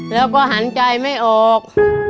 แล้วก็หันใจไม่ออก